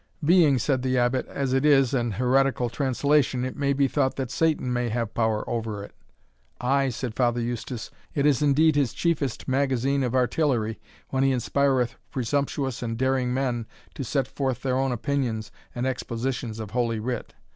"Being," said the Abbot, "as it is, an heretical translation, it may be thought that Satan may have power over it." "Ay!" said Father Eustace, "it is indeed his chiefest magazine of artillery, when he inspireth presumptuous and daring men to set forth their own opinions and expositions of Holy Writ.